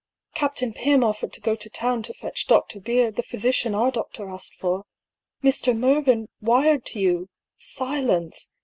Captain Pym offered to go to town to fetch Dr. Beard, the physician our doctor asked for. Mr. Mervyn wired to you, — silence.